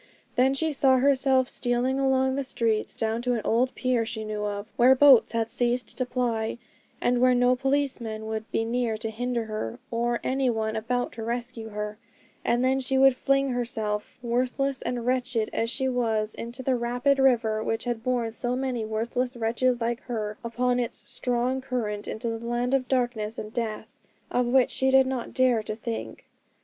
Then she saw herself stealing along the streets, down to an old pier she knew of, where boats had ceased to ply, and where no policeman would be near to hinder her, or any one about to rescue her; and then she would fling herself, worthless and wretched as she was, into the rapid river, which had borne so many worthless wretches like her upon its strong current into the land of darkness and death, of which she did not dare to think.